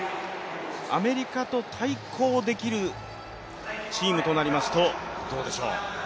アメリカと対抗できるチームとなりますと、どうでしょう？